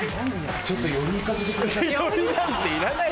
ちょっと寄り行かせてください。